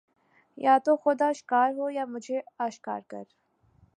یا تو خود آشکار ہو یا مجھے آشکار کر